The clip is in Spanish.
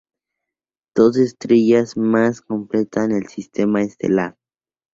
Dos estrellas más completan el sistema estelar.